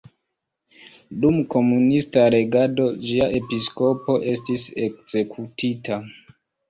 Dum komunista regado ĝia episkopo estis ekzekutita.